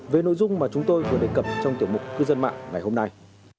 về nội dung mà chúng tôi vừa đề cập trong tiểu mục cư dân mạng ngày hôm nay